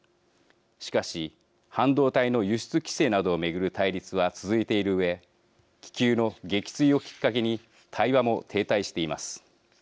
しかし半導体の輸出規制などを巡る対立は続いているうえ気球の撃墜をきっかけに対話も停滞しています。